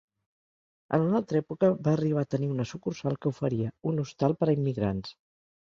En una altra època va arribar a tenir una sucursal que oferia un hostal per a immigrants.